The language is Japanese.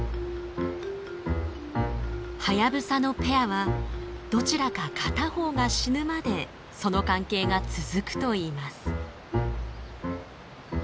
ハヤブサのペアはどちらか片方が死ぬまでその関係が続くといいます。